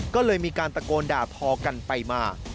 ก็เลยมีการตะโกนด่าทอกันไปมา